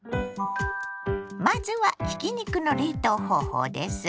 まずはひき肉の冷凍方法です。